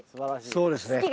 そうですね。